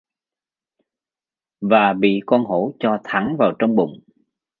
Và bị con hổ cho thẳng vào trong bụng